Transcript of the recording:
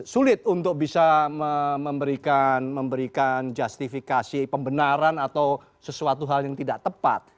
sulit untuk bisa memberikan justifikasi pembenaran atau sesuatu hal yang tidak tepat